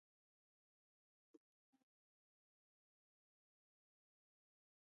He was married to the painter Victorine Foot.